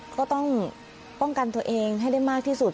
ก็ต้องป้องกันตัวเองให้ได้มากที่สุด